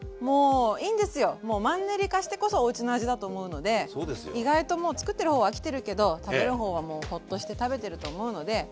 もうマンネリ化してこそおうちの味だと思うので意外ともうつくってる方は飽きてるけど食べる方はもうホッとして食べてると思うので。